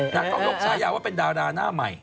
ต้องยกฉายาว่าเป็นดาราหน้าใหม่